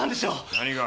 何が？